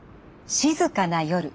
静かな夜。